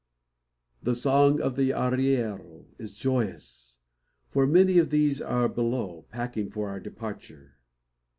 The song of the arriero is joyous; for many of these are below, packing for our departure.